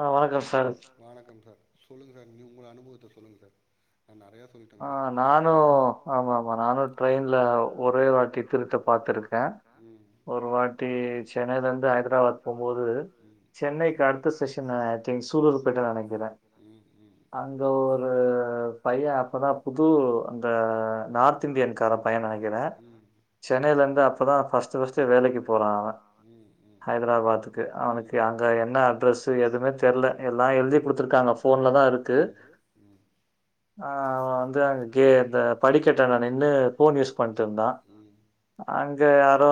ஆ வணக்கம் சார் வணக்கம் சார் சொல்லுங்க சார் நீங்க உங்க அனுபவத்த சொல்லுங்க சார் நா நெறையா சொல்லிட்டே சார் நானு ஆமா ஆமா நானு ட்ரெயின்ல ஒரே வாட்டி த்த பாத்திருக்கே ஒரு வாட்டி சென்னைல இருந்து ஹைதராபாத் போகும்போது சென்னனைைக்கு அடுத்த செஷனு திங்க் சூலூர்பேட்ட நெனைக்கற அங்க ஒரு பைய அ அப்பதா புது அந்த நார்த் இந்தியன்கார பைய னெனக்கிர சென்னைய்ல இருந்து அப்பதா ஃபர்ஸ்ட்டு ஃபஸ்ட்டு வேலைக்கு போறா அவ ஹதரா க்கு அவனுக்கு அங்க என்ன அட்ரஸு எதுமே தெர்ல எல்லா எழுதி குடுத்துருக்காங்க போன்ல தா இருக்கு ம் அ அவ வந்து அங்க கே இந்த படிக்கட்டான்ட நின்னு ஃபோன் யூஸ் பண்ட்டு இருந்தா அங்க யாரோ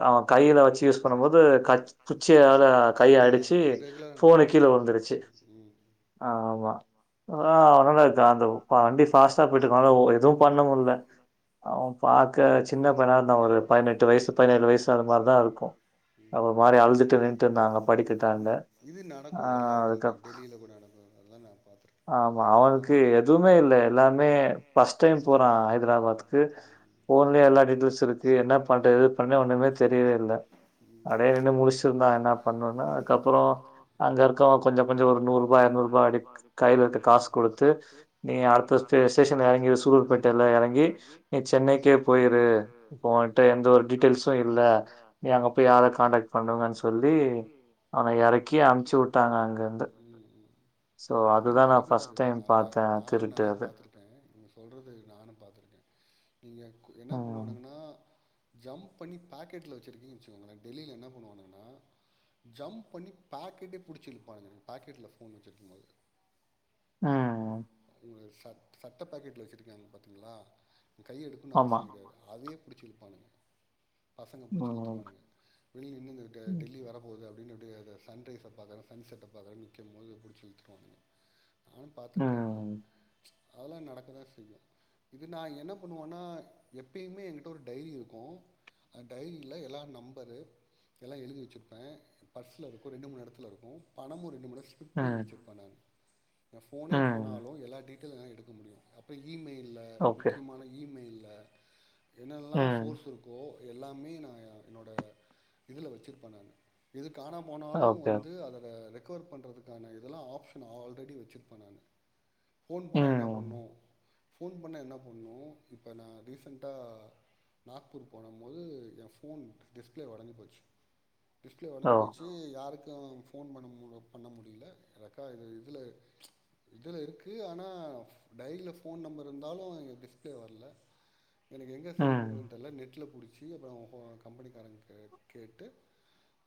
அ அவ கையில வச்சு யூஸ் பண்ணும் போது கச் ச்சியால கைய அடிச்சு ஃபோனு கீழ விலுந்துருச்சு ஆமா ஆ அவனால அந்த வண்டி ஃபாஸ்டா போயிட்டுக்கனால ஒ எதுவு பண்ணமுல்ல அவ பாக்க சின்ன பையனா இருந்தா ஒரு பதினெட்டு வயசு பதினேழு வயசு அது மாரிதா இருக்கு ம் ஒன் இது நடக்கு எல்லா ஊருலயு நடக்கு டெல்லில கூட நடக்கு அதலா நா பாத்துருக்க ஆமா அவனுக்கு எதுவுமே இல்ல எல்லாமே ஃபஸ்ட் டைம் போறா ஹைதராபாத்துக்கு ஃபோன்லேயே எல்லா டீட்டெயில்ஸ் இருக்கு என்ன பண்ற எது பண்ண ஒன்னுமே தெரியவே இல்ல அப்டே நின்னு முழிச்சுருந்தா என்னாப் பண்ணுனா அதுக்கப்றோ அங்க இருக்க கொஞ்ச கொஞ்ச ஒரு நூறு ரூபா இரநூறு ரூபா அப்டே கையில இருக்க காசு கொடு து நீ அடுத்த ஸ்டே ஸ்டேஷன்ல எறங்கி சூலூர்பேட்டல எறங்கி நீ சென்னைக்கே போயிரு ஒன்ட எந்த ஒரு டீட்டெயில்ஸு இல்ல நீ அங்க போய் யார காண்டக்ட் பண்ணுவன் சொல்லி அவன எறக்கி அமுச்சு விட்டாங்க அங்கிருந்து ம் ம் சோ அதுதா நா ஃபர்ஸ்ட் டைம் பாத்தே திருட்டு அது பாத்துருப நீங்க சொல்றது நானு பாத்துருக்க நீங்க என்ன பண்ணுவானுங்ன்னா ஜம்ப் பண்ணி பாக்கெட்ல வெச்சிருக்கீங்க வெச்சுக்கோங்களே டெல்லில என்ன பண்ணுவாங்கன்னா ஜம்ப் பண்ணி பேக்கெட்டே புடிச்சிலுப்பாங்க பேக்கெட்ல ஃபோன் வெச்சிருக்கும் போது அ ஒரு ச சட்ட பாக்கெட்ல வெச்சிருக்காங்க பாத்தீங்ளா கை எடுக்கணு அவசியோ கெடயாது அதயே புடிச்சி இழுப்பாங்க பசங்க பிடிச்சிழுத்துருவானுங்க வெளி இன்னு இந்த டெ டெல்லி வர போது அப்டின்னுட்டு அத சன் ரைஸ்ஸ பாகற சன் செட்ட பாகற நிக்கு போது புடிச்சு இழுத்துருவானுங்க பாத்துருக்க அதுல அதெல்லா நடக்கதா செய்யு இது நா என்ன பண்ணுவேன்னா எப்பயுமே எங்கிட்ட ஒரு டைரி இருக்கு அ டைரில எல்லா நம்பரு இதல்லா எழுதி வெச்சுருப்ப பர்ஸ்ல இருக்கு ரெண்டு மூணு இடத்துல இருக்கு பணமு ரெண்டு முணா ஸ்ப்லிட் பண்ணி வெச்சுருப்ப நானு என் ஃபோனே போனாலு எல்லா டீட்டெயிலு என்னால எடுக்க முடியு அப்ற ஈமெயில்ல ல முக்கியமான ஈமெயில்ல என்னெல்லா சோர்ஸ் இருக்கோ எல்லாமே நா என்னோட இதுல வெச்சுருப்ப நானு இது காணம போனாலு வந்து அத அத ரெக்கவர் பண்ணுறதுக்கான இதெல்லா ஆப்ஷன் ஆல்ரெடி வெச்சுருக்கு ப்ப நானு போன் பண்ண என்ன பண்ணு ஃபோன் பண்ணா என்ன பண்ணு இப்ப நான் ரீசென்ட்டா நாக்பூர் போன போது எ போன் டிஸ்பிளே ஒடஞ்சி போச்சு டிஸ்பிளே ஒடஞ்சி போச்சு கு யாருக்கு போஃன் பண்ண முடியல ஏக்கா இது இல இதுல இருக்கு ஆனா டைரில ஃபோன் நம்பர் இருந்தாலு இங்கே டிஸ்பிளே வரல எனக்கு எங்க சரி பண்ரதுன்னு தெர்ல நெட்ல புடிச்சி அப்றோ இப்ப கம்பெனிக்காரன்ட கேட்டு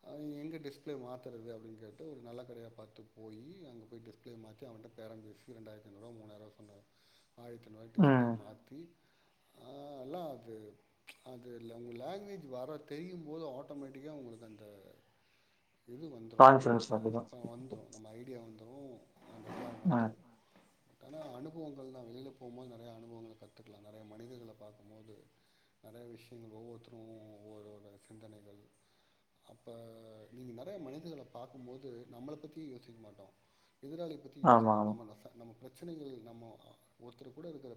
அ எங்க டிஸ்பிளே மாத்தறது அப்டின்னு கேட்டு ஒரு நல்ல கடையா பாத்து போய் அங்கே போய் டிஸ்பிளே மாத்தி தி அவண்ட பேரம் பேசி இரண்டாயிரத்தி ஐநூறு ரூபா மூணாயிர ரூபா சொன்ன ஆயிரத்தி ஐநூறு பாக்கி டிஸ்பிளே மாத்தி ஆ அல்லா அது அது இல்லமா லாங்குவேஜ் வர தெரியும் போது ஆட்டோமேட்டிக்கா உங்களுக்கு அந்த [unintelligible] இது வந்துரு வந்துரு நம்ம ஐடியா வந்துரு தனா அனுபவங்கள் தா வெளியில போம்போது நெறைய அனுபவங்கள் கற்றுக்கலா நெறைய மனிதர்கல பாக்கும்போது நெறைய விஷ்யங்கள் ஒவ்வொருத்தரு ஒவ்வொரு சிந்தனைகள் அப்போ நீங்க நேறைய மனிதர்கள பாக்கும் போது நம்மள பத்தியே யோசிக்க மாட்டோ எதிராளி பத்தி யோசிக்கிறோ ஆம நம்ம நம்ம பிரச்சனைகள் நம்ம ஒருத்தர் கூட இருக்கிற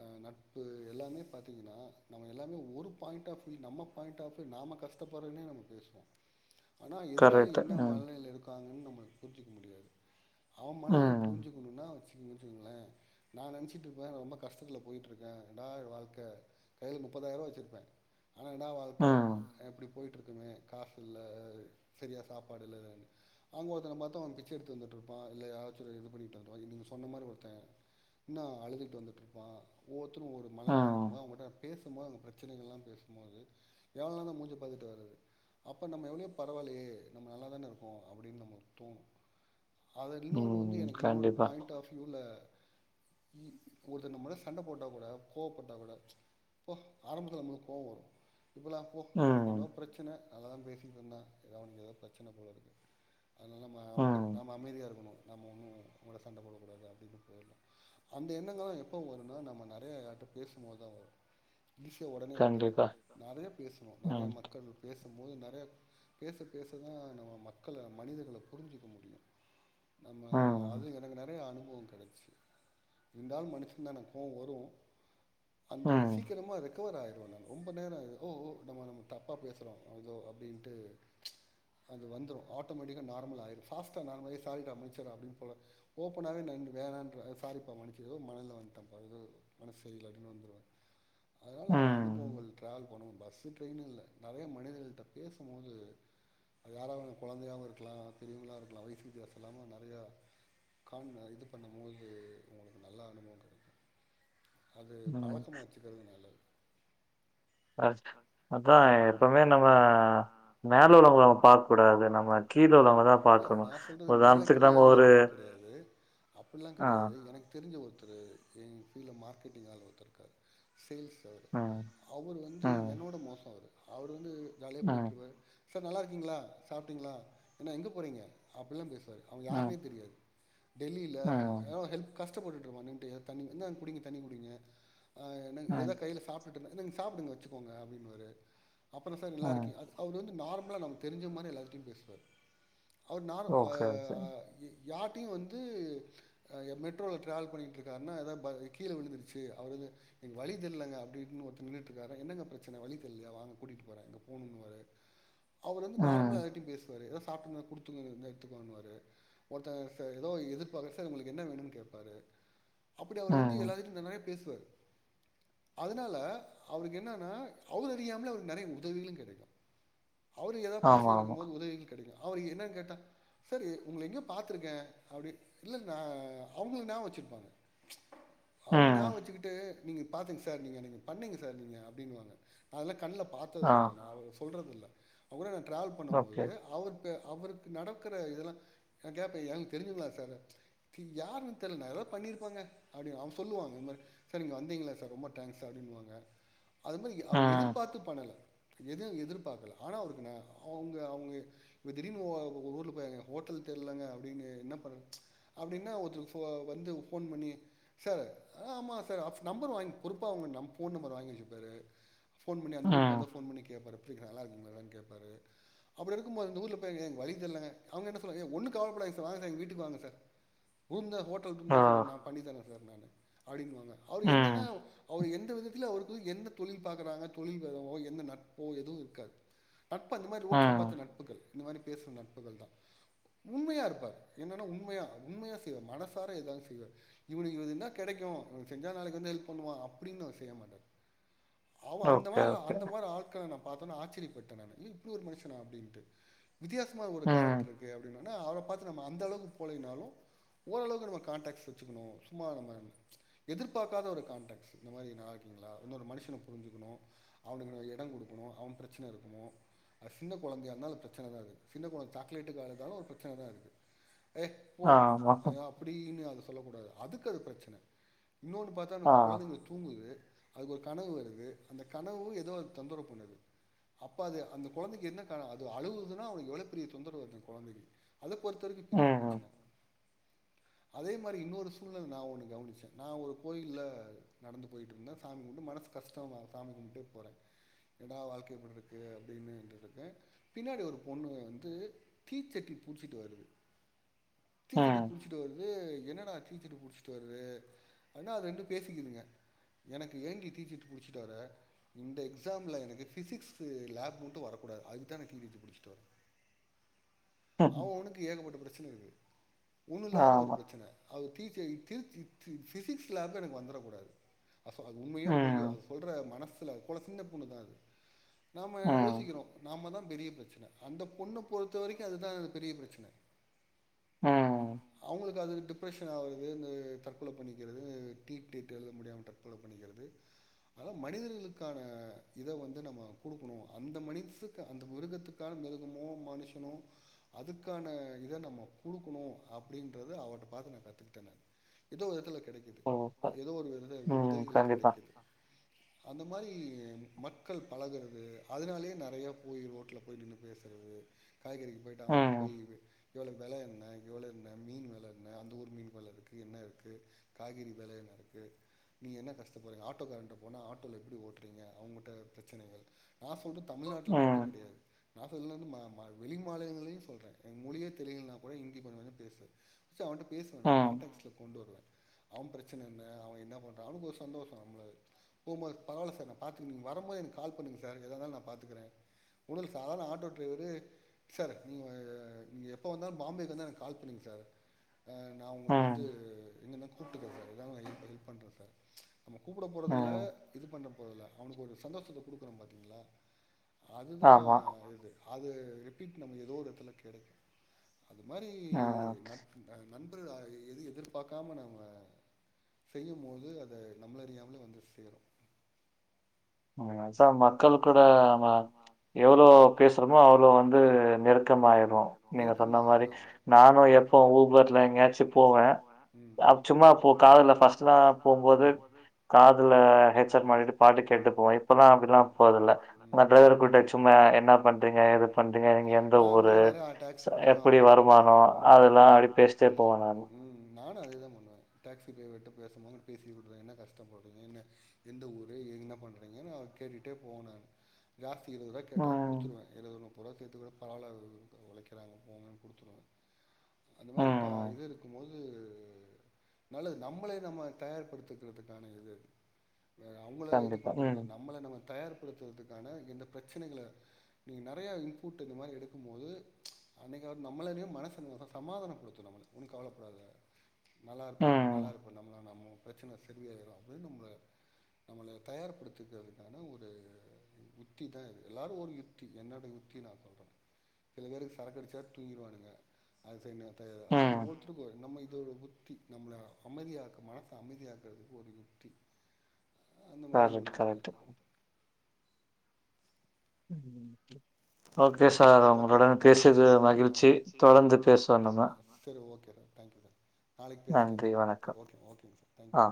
ஆ நட்பு எல்லாமே பாத்திங்கனா நம்ம எல்லாருமே ஒரு பாய்ண்ட் ஆஃப் வியூ நம்ம பாயிண்ட் ஆஃப் வியூ நாம கஷ்டப்ட்றனே நம்ம பேசுவோ [inaudible] ஆனா எதிராளி என்ன மனநிலையில இருக்காங்கன்னு நம்மளுக்கு புரிஞ்சிக்க முடியாது அவ மனில புரிஞ்சுக்கணுன்னா வச்சுக்க முச்சுக்கங்களே நா நென்ச்சுட்டு இருப்பே ரொம்ப கஷ்டத்துல போயிட்டு இருக்கே எனா இ வாழ்க்க கைல முப்பதாயிருவா வச்சிருப்பே ஆனா என்னா வாழ்க்க எப்டி போய்ட்டு இருக்குமே காசு இல்ல சரியா சாப்பாடு இல்ல அவ்ங்க ஒருத்த பாத்தோ அங் பிச்ச எடுத்துட் இர்ந் ப்பா இல்ல யாராச்சு ஒரு இது பண்ணிட்டு வந்து இருப்பா இல் நீங்க சொன்ன மாரி ஒருத்தே இன்னோ அழுதுட்டு வந்துட்டு இருப்பா போத்தன்னு ஒரு மனநிலையில இருக்கம் போது அவுங்க பேசும்போது அங்க பிரச்சனைகளல்லா பேசும்போது எவ்வளோ தா மூஞ்ச பாத்துட்டு வரது அப்போ நம்ம எவ்வளோ பரவாலையே நம்ம நல்லா தான இருக்கோ அப்டின்னு நம்மகு தோணு அத இன்னொரு வந்து எனக்கு இன்னொரு பாயிண்ட் ஆஃப் வியூல ஒருத்த நம்மட சண்ட போட்டா கூட கோவ போட்டா கூட ப்போ ஆரம்பத்தில நம்மளுக்கு கோவோ வரு இப்போல்லா ப்போ அவனுக்கு என்னோ பிரச்சன நல்ல தா பேசிட்டு இருந்தா ஏதோ அவனுக்கு ஏதோ பிரச்சன போல இருக்கு அதுனால நம்ம அ நம் அமைதியா இருக்கணு நம்ம உம் உங்களோட சண்ட போடக்கூடாது அப்டின்னு போயிட்வோ அந்த எண்ணங்கள்லா எப்போ வருன்னா நம்ம நிறையயார்ட்ட பேசும்போது தா வரு இலீஷிய ஒடனே வந்துறது நெறையா பேசணோ நெறைய மக்கள் பேசும்போது நெறையா பேச பேச தா நம்ம மக்கள மனிதர்கள புரிஞ்சுக்க முடியு நம்ம அது எனக்கு நெறைய அனுபவோ கெடச்சு இருண்டாலு மனுஷந் தா எனக்கு கோம் வரு அந்த சீக்கிரமா அதுக்கு ரெகவர் ஆயிருவ நானு ரொம்ப நேரோ ஓ ஓ நம்ம நம்ம தப்பா பேசுறோ ஏதோ அப்டின்ட்டு அது வந்துரு ஆட்டோமட்டிக்கா நார்ம ஆயிரு பாஸ்டா நார்மல ஆகி ஏ சாரிடா மனிச்சிரா அப்டின்னு போடா ஓப்பனாவே நன் வேணான்ற சாரிப்பா மன்னச்சதோ மதில் வந்துட்டன்ப்பா ஏதோ மனச சரில அப்டின்னு வந்துடுவ [inaudible] அதனால அது அனுபவங்கள் டிராவல் பண்ணுவு பஸ்ஸு ட்ரெயின்னு இல்ல நெறைய மனிதர்கள்ட்ட பேசம்போது அது யாராவேனா குழந்தையாவு இருக்கலா தெரியவெலா இருக்கலா வைசுவித்தியாசோ இல்லாம நெறையா காம்ணா இது பண்ண மோயி உங்களுக்கு நல்ல அனுபவோ கெடைக்கு அது பழக்கமா வச்சுக்கிறது நல்லது ஆ ச [inaudible] அதா எப்பவுமே நம்ம மேல உழங்வ்கள பாக்க கூடாது நம்ம கீழ உள்ளவங்க தா பாக்கணு நா சொல்றது மேலே கீழல்லா கணக்கு கெடயாது அப்டில்லா கெடயாது எனக் தெரிஞ்ச ஒருத்தரு எ ஃபீல்டில மார்க்கெட்டிங்க ஆல் ஒருத்தர்க்காரு சேல்ஸு ம் அவரு வந்து என்னோட மோசோ அவரு அவர் வந்து ஜாலியா போய்ட்டுவாரு சார் நல்லாருக்கீங்களா சாப்ட்டீங்களா என்ன எங்க போறீங்க அப்புட்லா பேசுவாரு அவங்க யாருனே தெரியாது டெல்லியில எவ்ளோ ஹெல்ப் காஷ்ட் கஷ்ட பட்டுட்டு இருக்கோ நின்ட்டு தண்ணி இந்தாங்க குடிங்க தண்ணி குடிங்க ஆ இந்தாங்க எதோ கையையில சாப் டுங்க இந்தாங்க சாப்டுங்க வச்சுகோங்க அப்டின்னுவாரு அப்பறம் சார் நல்லார் அவர் வந்து நார்மலா நம் தெரிஞ்ச மாரி எல்லாத்திட்டையும் பேசுவார் அவர் நார் ஆ யார்கிட்டையும் வந்து ஆ மெட்ரோல ட்ராவல் பண்ணிகிட்டுருக்காருன்னா எதாவது கீழே விழுந்துடுச்சு அவர்து எனக்கு வழி தெரிலங்க அப்டின்னு ஒருத்தர் நின்னுட்டு இருக்காரு என்னங்க பிரச்சனை வ வழி தெர்லலையா வாங்க கூட்டிட்டு போறேன் எங்க போகணுன்னுவாரு [inaudible] அவர் வந்து நார்மலா எல்லார்ட்டையும் பேசுவாரு ஏதோ சாப்டுங்க குடுத்துங்க எத்துக்குன்ணுவாரு ஒருத்தர்ங்க சார் ஏதோ எதிர்பார்க்கற சார் உங்களுக்கு என்னவேணும்னு கேட்பாரு அப்டி அவர் வந்து எல்லார்ட்டையும் நறையா பேசுவார் அதனால் அவருக்கு என்னன்னா அவர்றியாமலே அவருக்கு நறைய உதவிகளும் கிடைக்கும் [inaudible] அவரு ஏதாது பிரச்சனை இருக்கும்போது உதவிகள் கிடைக்கும் அவக்கு என்னன்னா கேட்டன் சார் உங்கள எங்கயோ பாத்திருக்கேன் அப்டி இல்லங்க அவுங்கள நியாபகம் வச்சிருப்பாங்க [inaudible] அவுங்க நியாபக வச்சுக்கிட்டு நீங்க பாத்துங்க சார் நீங்க நீங்க பண்ணிங்க சார் நீங்க அப்டின்னுவாங்க அதெல்லாம் கண்ணுல பார்த் த்த சொல்ற நா சொல்றதில்லை அவ கூட டிராவல் பண்ணும் போது அவ அவருக்கு நடக்கிற இதெல்லாம் நா கேப்ப எனன் தெரிஞ்சுங்களா சார் தே யாருனு தெரில எதோ பண்ணியிருப்பாங்க அப்டின்னு அவங்க சொல்லுவாங்க இந்த மாரி சார் நீங்க வந்தீங்களா சார் ரொம்ப தேங்க்ஸ் அப்படின்னுுவாங்க அது மாதிரி அவ எதிர்பார்த்து பண்ணல எது எதிர்பார்க்கல ஆனா அவருக்கு ந அவுங்க அவுங்க இ திடீனு உங்கள் ஊர்ல போய்ங்க ஹோட்டல் தெரியலாங்க அப்டின்னு என்ன பண் அப்டின்னா ஒருத்தரு ஒரு வந்து போன் பண்ணி சார் ஆமா சார்ப் நம்பர் வாங்க பொறுப்பா உங்க போன் நம்பர் வாங்கி வச்சுப்பாரு போன் பண்ணி அந்தஊருக்கு வந்து போன் பண்ணி கேப்பாரு எப்டிஇருக்க நல்லா இருக்குங்கில்லா கோப்பாரு அப்டி இருக்கும்பது இந்த ஊர்ல போய்ங்க வழி தெரிலங்க அவங்க என்ன சொல்ல ஒன்னும் கவல படாதிங்க சார் வீட்டுக்கு வாங்க சார் உங்க ஹோட்டல் ரூம் தான் சார் எல்லாமே பண்ணித்தர சார் ந அப்டின்னுங்க அவர் என்னன்னா அவர் எந்த வித இதுல அவரு எந்த தொழில் பா்கக்குறாங்க தொழில் வேதமோ எந்த நட்போ எதுவும் இருக்காது நட்பு இந்த மாதிரி ரோட்ல பார்த்த நட்புகள் இந்த மாரி பேசுகற நட்புகள் தான் உண்மையா இருப்பார் என்னன்னா உண்மையா உண்மையா செய்வார் மனசார எதான் செய்வார் இவனுக்கு இ என்ன கிடைக்கும் செஞ்சா நாளைக்கு வந்து ஹெல்ப் பண்ணுவான் அப்டின்னு அவர் செய்ய மாட்டாரு [inaudible] அவ அந்த மாதிரா அந்த மாதிரி ஆட்க்கலாம் நம் பார்த்தோனே ஆச்சரியப்பட்ட நான் இப்டி ஒரு மனுஷன் அப்டின்ட்டு வித்தியாசமான ஒரு கேரக்டர்க்கு அப்படின்னா ஆனால் அவரை பார்த்து நம்ம அந்தளவுக்கு போலனாலும் ஓரளவுக்கு நம்ம கான்டாக்ட்ஸ் வச்சுக்கணும் சும்மா இருந்தான்னா எதிர்பார்க்காத ஒரு கான்டாக்ட்ஸ் இந்த மாதிரி நல்ல இருக்கீங்களா என்னொ ஒரு மனுஷனுனை புரிஞ்சுக்கணும் அவனுக்கு இடம் கொடுக்கணும் அவன் பிரச்சனை இருக்கணும் அது சின்ன குழந்தையா இருந்தாலும் அ பிரச்சனைதான் அது சின்ன குழந்த சாக்லேட்க்கு அழுதாலும் பிரச்சனைதான் அது ஏய் பே ஆ ஐய அப்டின்னு அதது சொல்லக்க கூடாது அதுக்கு அது பிரச்சனை இன்னொன்னு பார்த்தா குழந்தைங்க தூங்குது அதுக்கு ஒரு கனவு வருது அந்த கனவு ஏதோ அதுல தொந்தரவு பண்ணுது அப்ப அது அந்த குழந்தை என்ன அது அழுகுதுன்னா அவ எவ்ளோ பெரிய தொந்தரவு அந்த கொழந்தைக்கு அத பொறுத்த வரைக்கும் பெரிய பிரச்சன அதே மாரி இன்னொரு சூழ்நெல நா ஒன்னு கவனிச்சேன் நா ஒரு கோயில்ல நடந்து போயிட்டு இருந்தேன் சாமி கும்புட்டு மனசு கஷ்டமா சாமி கும்பிட்டே போறே என்னடா வாழ்க்க இப்டி இருக்கு அப்டின்னு ரிருக்கு பின்னாடி ஒரு பொண்ணு வந் து தீச்சட்டி புடிச்சிட்டு வருது தீச்சட்டி புடிச்சிட்டு வருது து என்னடா தீச்சட்டி புடிச்சிட்டு வருது அனா அது ரெண்டு பேசிக்குதுங்க எனக்கு ஏன் டி தீச்சட்டி புடிச்சிட்டு வர இந்த எக்ஸாம்ல எனக்கு ஃபிசிக்ஸ் லேப் மட்டும் வரக்கூடாது அதுதா நா தீச்சட்டி புடிச்சிட்டு வர அவ அவனுக்கு ஏகப்பட்ட பிரச்சன இருக்கு ஒன்னு இல்லாத ஒரு பிரச்சன அது டீச்சயை டி சி சி பிசிக்ஸ் லேப்ல எனக்கு வந்துரக் கூடாது பசக அது உண்மையோ பொய்யோ அது சொல்ற மனசுல அது போல சின்ன பொண்ணு தாது நாம யோசிக்றோம் நாம தா பெரிய பிரச்சன அந்த பொண்ண பொறுத்த வரைக்கும் அதுதான் பெரிய பிரச்சன அவங்களுக்கு ம் அது எப்டு டிப்ரஷன் ஆவது இந்த தற்கொல பண்ணிக்கறது டீட் டெட் எழுத முடியாம தற்கொல பண்ணிக்கறது ஆனா மனிதர்களுக்கான இத வந்து நம்ம குடுக்கணும் அந்த மனிட்ஸ் அந்த மிருகத்துக்கான மிருகமோ மனுஷனோ அதுக்கான இத நம்ம குடுக்கணு அப்டின்றது அவர்ட்ட பாத்து நா கத்துக்கிட்டே நான் ஏதோ விதத்துல கெடைக்குது ஏதோ ஒரு விதல விதைகள் கெடைக்குது அந்த மாதிரி மக்கள் பழகுறது அதனாலயே நெறைய போய் ரோட்டில் போய் நின்னு பேசறது காய்கறிக்கு போய்டா அவன்ட்ட போய் எவ்ளோ வெல என்ன எவ்ளோ என்ன மீன் வெல என்ன அந்த ஊர் மீன் வெலருக்குது என்ன இருக்குது காய்கறி வெல என்னருக்கு நீங்க என்ன கஷ்டப்படுறீங்க ஆட்டோக்காரகிட்ட போனா ஆட்டோல எப்டி ஓட்டுறீங்க அவங்கட்ட பிரச்சனைகள் நா சொல்ற தமிழ்நாட்டில மட்டு கெடையாது [unintelligible] இருந்து ம ம வெளி மாநிலங்களையும் சொல்றேன் எ மொழிய தெரியலன்னா கூட இந்தி கொஞ்சோ கொஞ்சோ பேசுவே ஸ் அவன்ட்ட பேசுவே நா கான்டக்ட்ல கொண்டு வருவே அவன் பிரச்சன என்ன அவன் என்ன பண்றான் அவனுக்கு ஒரு சந்தோஷோ நம்மள போம்போது பரவாயில்லா சார் நா பாத்து நீங்க வரும் போது எனக்கு கால் பண்ணுங்க சார் எதா இருந்தாலு நா பாத்துக்கறே கூதல் சாதாரண ஆட்டோ டிரைவரு சார் நீங்க நீங்க எப்ப வந்தாலு பாம்பேக்கு வந்தா எனக்கு கால் பண்ணுங்க சார் நா உங்களுக்கு வந்து இங்கே தா கூப்பிட்டுக்கறே சார் இதா ஹெல்ப் ஹெல்ப் பண்ணுறே சார் நம்ம கூப்பிட போறதில்ல இது பண்ணற போறதில்லை அவனுக்கு ஒரு சந்தோஷத்தை குடுக்குறே பாத்தீங்களா அதுதா இது அது ரிப்பீட் நம்ம ஏதோ ஒரு எடத்துல கெடைக்கு அது மாரி நட்பு ஆ நண்ப எது எதிர்பார்க்காம நம்ம செய்யும்போது அத நம்லறியாமலே வந்து சேரு [unintelligible] சார் மக்கள் கூட நம் எவ்ளோ பேசுறோமோ அவ்ளோ வந்து ப்ரோ வந்து நெருக்கமாயிரு நீங்க சொன்ன மாரி நானு எப்போ ஊபர்ல எங்கேயாச்சு போவே சும்மா போ காதல ஃபர்ஸ்ட்லா போகும்போது காதுல ஹெட் செட் மாட்டிட்டு பாட்டு கேட்டு இப்ப வொய்ப் எல்லா அப்படல்லா போறதில்ல டிரைவர் கூட்டு சும்மா என்ன பண்றீங்க எது பண்றீங்க நா அப்டிதா நெறைய டேக்சி பிடிப்பே ஆட்டோ பிடிப்ப ம் ம் ம் நானு அதே தா பண்ணுவே டாக்ஸி ட்ரைவர்ட்ட பேசும்போது பேசிடுறே என்ன கஷ்டப்படுறதுங்க என்ன எந்த ஊரு என்ன பண்றீங்கன்னு அவ கேட்டுட்டே போனான் ஜாஸ்தி இருபது ரூபாய் கேட்டால் கொடுத்துருவேன் இருபது முப்பது ரூபாய் கேட்டா கூட பரவில்லை சேர்த்த கூட வரல வாங்கிறாங்க போங்கன்னு கொடுத்துருவேன் அந்த மாரி க இது இருக்கும்போது நல்லது நம்மளே நம்ம தயார்படுத்துக்கிறதுக்கான இது அவுங்ள இது பண்றதுக்கு இல்ல நம்மள நம்ம தயார்ப் படுத்துதற்கான இந்த பிரச்னைகள நீங்க நறைய இன்புட் இந்த மாரி எடுக்கும் போது அன்னைக்கு வந்து நம்ளறிய மனசு அதா சமாதான படுத்தும் ஒன்னு கவலப்படாத நல்லா இருப்ப நீ நல்லா இருப்ப நம்மள நம்ம பிரச்சன சரி ஆயிடு அப்டின் நம்ம நம்மள தயார்படுத்திக்கிறதுக்கான ஒரு விட்டி தா இது எல்லாரு யுத்தி என்னோட யுத்தி நா சொல்ற சில பேருக்கு சரக்கு அடிச்சா தூங்கிருவானுங்க அது செய்னு [unintelligible] அது மாரி ஒவ்வொருத்தருக்கு ஒரு நம் இது ஒரு யுத்தி நம்மள அமைதியாக்குமா மனச அமைதியாக்குறதுக்கு ஒரு யுத்தி அந்த மாரி ஒன்னு ஒன்னு ம் ஓகே சார் உங்களுடன் பேசது மகிழ்ச்சி தொடர்ந்து பேசுவோ நம்ம சேரி ஓகே சார் தேங்க்யூ சார் நாளைக் பேஸ்லாங் சார் ஓகே ஓகே ஓகேங்க சார் தேங்க்யூ